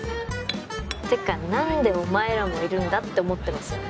「てか何でお前らもいるんだ」って思ってますよね？